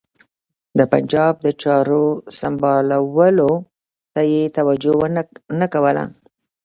د پنجاب د چارو سمبالولو ته یې توجه نه کوله.